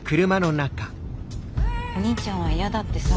お兄ちゃんは嫌だってさ。